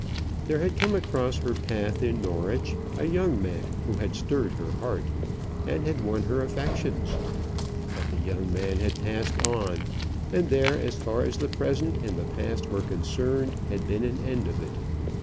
There had come across her path in Norwich a young man who had stirred her heart, and had won her affections. But the young man had passed on, and there, as far as the present and the past were concerned, had been an end of it.